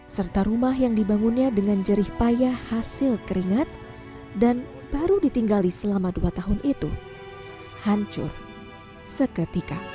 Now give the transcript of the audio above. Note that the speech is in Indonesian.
serta rumah yang dibangunnya dengan jerih payah hasil keringat dan baru ditinggali selama dua tahun itu hancur seketika